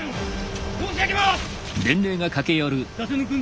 申し上げます！